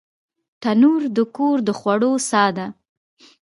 تنور د کور د خوړو ساه ده